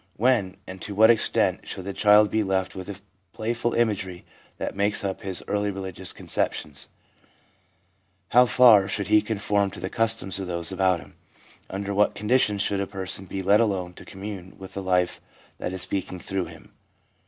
When, and to what extent, should the child be left with the playful imagery that makes up his early religious conceptions ? how far should he conform to the customs of those about him ? under what conditions should a person be let alone to commune with the life that is speaking through him